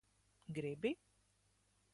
Gribi?